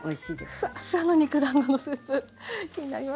フワッフワの肉だんごのスープ気になります。